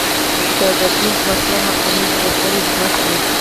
که د پومپیو مطلب مخکنی دوه سری حکومت وي.